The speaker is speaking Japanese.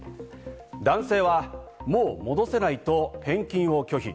男性はもう戻せないと返金を拒否。